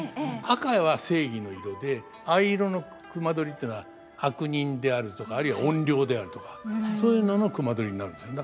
赤は正義の色で藍色の隈取っていうのは悪人であるとかあるいは怨霊であるとかそういうのの隈取になるんですね。